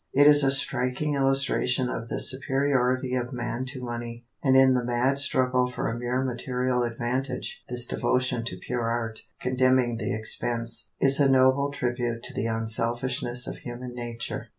It is a striking illustration of the superiority of man to money, and in the mad struggle for a mere material advantage, this devotion to pure art, condemning the expense, is a noble tribute to the unselfishness of human nature.